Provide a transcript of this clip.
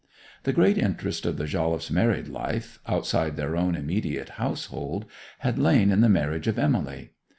The great interest of the Jolliffes' married life, outside their own immediate household, had lain in the marriage of Emily.